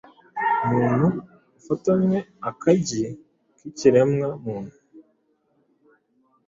Umuntu yafatanywe akagi k'ikiremwa muntu